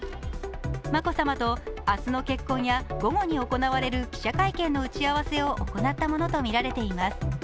眞子さまと明日の結婚や午後に行われる記者会見の打ち合わせを行ったものとみられています。